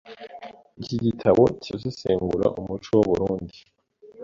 Iki gitabo kirasesengura umuco w’u Burunndi